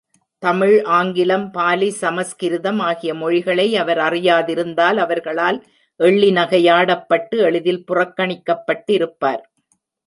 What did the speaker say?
தமிழ், ஆங்கிலம், பாலி, சமஸ்கிருதம் ஆகிய மொழிகளை அவர் அறியாதிருந்தால் அவர்களால் எள்ளி நகையாடப்பட்டு எளிதில் புறக்கணிக்கப்பட்டிருப்பார்.